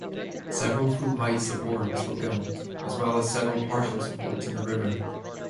Several full-height supports were built, as well as several partial supports in the river.